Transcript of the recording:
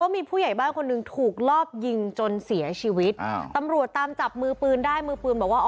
มีผู้ใหญ่บ้านคนหนึ่งถูกลอบยิงจนเสียชีวิตอ่าตำรวจตามจับมือปืนได้มือปืนบอกว่า